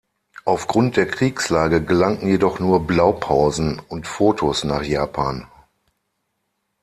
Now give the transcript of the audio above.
Aufgrund der Kriegslage gelangten jedoch nur Blaupausen und Fotos nach Japan.